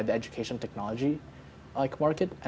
oleh pemasaran teknologi pendidikan